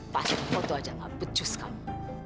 pasti foto aja nggak pecus kamu